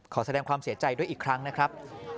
ขอแสดงความเสี่ยงที่สุดท้ายนะครับ